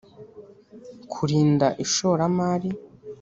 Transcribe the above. kurinda ishoramari